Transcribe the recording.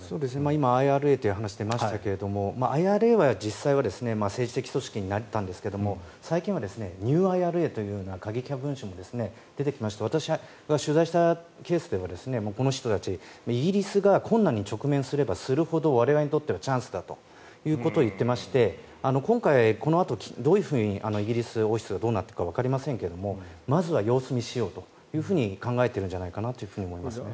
今、ＩＲＡという話が出ましたけどＩＲＡは実際は政治的組織になったんですが最近はニューＩＲＡという過激派分子も出てきまして私が取材したケースではこの人たちイギリスが困難に直面すればするほど我々にとってはチャンスだということを言っていまして今回、このあとどういうふうにイギリス王室がどうなっていくかわかりませんがまずは様子見しようと考えているんじゃないかと思いますね。